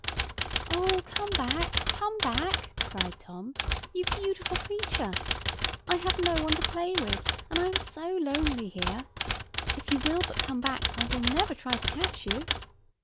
"Oh! come back, come back," cried Tom, "you beautiful creature. I have no one to play with, and I am so lonely here. If you will but come back I will never try to catch you."